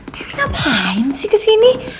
dewi ngapain sih kesini